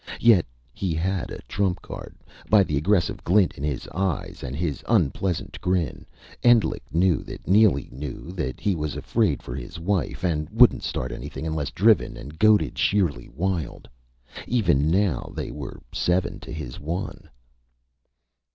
Yet he had a trump card by the aggressive glint in his eyes, and his unpleasant grin, Endlich knew that Neely knew that he was afraid for his wife, and wouldn't start anything unless driven and goaded sheerly wild. Even now, they were seven to his one.